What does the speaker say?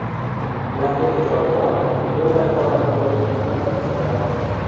latif «jonivor» bunday holatda o‘zini qanday his etadi?